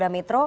dan juga metro